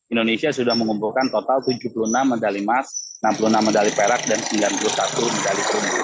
indonesia sudah mengumpulkan total tujuh puluh enam medali emas enam puluh enam medali perak dan sembilan puluh satu medali perunggu